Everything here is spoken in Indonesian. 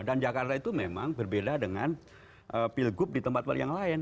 dan jakarta itu memang berbeda dengan pilgub di tempat yang lain